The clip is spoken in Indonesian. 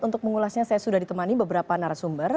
untuk mengulasnya saya sudah ditemani beberapa narasumber